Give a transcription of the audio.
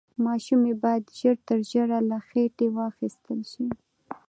ماشوم يې بايد ژر تر ژره له خېټې واخيستل شي.